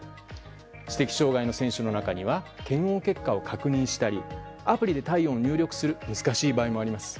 知的障害の選手の中には検温結果を確認したりアプリで体温を入力するのが難しい場合もあります。